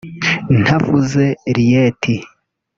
ntavuze Rieti